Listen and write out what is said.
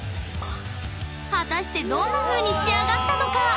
果たしてどんなふうに仕上がったのか！